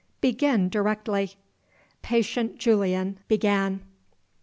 Begin directly." Patient Julian began.